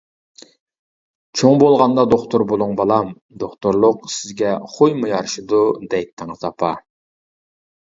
چوڭ بولغاندا دوختۇر بولۇڭ بالام، دوختۇرلۇق سىزگە خويمۇ يارىشىدۇ دەيتتىڭىز ئاپا.